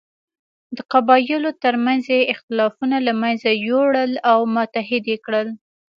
د قبایلو تر منځ یې اختلافونه له منځه یووړل او متحد یې کړل.